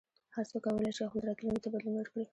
هر څوک کولای شي خپل راتلونکي ته بدلون ورکړي.